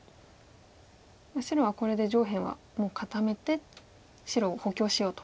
白はこれで上辺はもう固めて白を補強しようと。